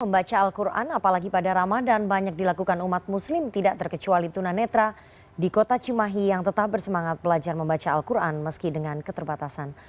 membaca al quran apalagi pada ramadan banyak dilakukan umat muslim tidak terkecuali tunanetra di kota cimahi yang tetap bersemangat belajar membaca al quran meski dengan keterbatasan